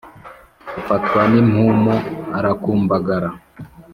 afatwa n'impumu arakumbagara